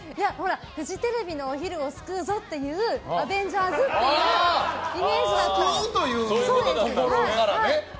フジテレビのお昼を救うぞというアベンジャーズっていうイメージだったので。